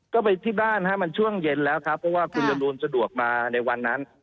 ก็ไปที่บ้านฮะมันช่วงเย็นแล้วครับเพราะว่าคุณจรูนสะดวกมาในวันนั้น